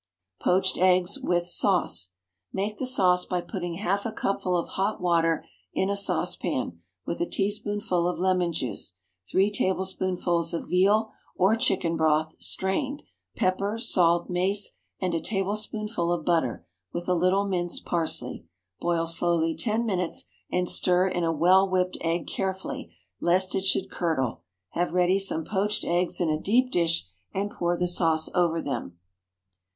POACHED EGGS, WITH SAUCE. ✠ Make the sauce by putting half a cupful of hot water in a saucepan, with a teaspoonful of lemon juice, three tablespoonfuls of veal or chicken broth (strained), pepper, salt, mace, and a tablespoonful of butter, with a little minced parsley. Boil slowly ten minutes, and stir in a well whipped egg carefully, lest it should curdle. Have ready some poached eggs in a deep dish, and pour the sauce over them.